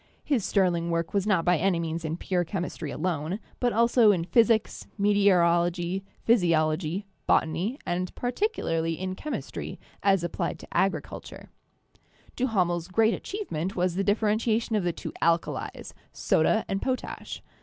His sterling work was not by any means in pure chemistry alone, but also in physics, meteorology, THE PHLOGISTIC PERIOD PROPER in physiology, botany, and particularly in chemistry as ap plied to agriculture. Duhamel's great achievement was the differentiation of the two alkalis, soda and potash.